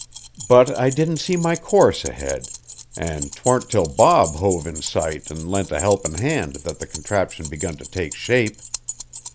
But I didn't see my course ahead, an' 'twarn't 'til Bob hove in sight an' lent a helpin' hand that the contraption begun to take shape.